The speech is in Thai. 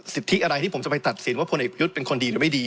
สิทธิอะไรที่ผมจะไปตัดสินว่าพลเอกประยุทธ์เป็นคนดีหรือไม่ดี